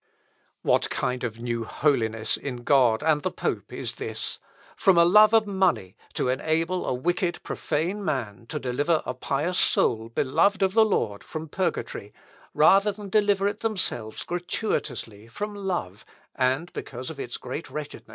"What kind of new holiness in God and the pope is this from a love of money to enable a wicked profane man to deliver a pious soul beloved of the Lord from purgatory, rather than deliver it themselves gratuitously from love, and because of its great wretchedness."